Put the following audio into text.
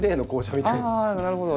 なるほど。